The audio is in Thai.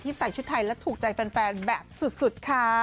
ใส่ชุดไทยและถูกใจแฟนแบบสุดค่ะ